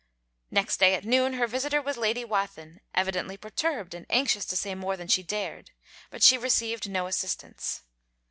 Next day at noon her visitor was Lady Wathin, evidently perturbed and anxious to say more than she dared: but she received no assistance.